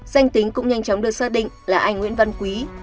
danh tính cũng nhanh chóng được xác định là anh nguyễn văn quý